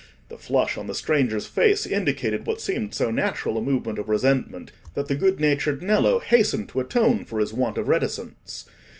The flush on the stranger's face indicated what seemed so natural a movement of resentment, that the good natured Nello hastened to atone for his want of reticence.